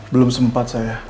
belum sempat saya